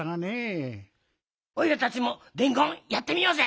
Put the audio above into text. おいらたちもでんごんやってみようぜ！